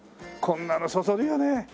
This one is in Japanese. こんなのそそるよね。